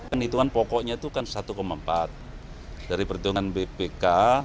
kan hitungan pokoknya itu kan satu empat dari perhitungan bpk